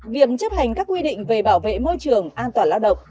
việc chấp hành các quy định về bảo vệ môi trường an toàn lao động